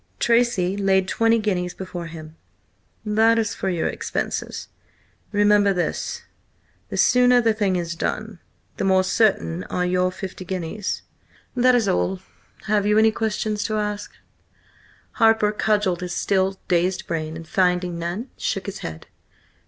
Tracy laid twenty guineas before him. "That is for your expenses. Remember this: the sooner the thing is done, the more certain are your fifty guineas. That is all. Have you any questions to ask?" Harper cudgelled his still dazed brain, and finding none, shook his head.